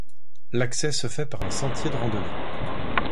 L'accès se fait par un sentier de randonnée.